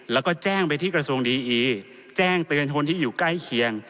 แล้วก็แจ้งไปที่กระทรวงดีอีแจ้งเตือนคนที่อยู่ใกล้เคียง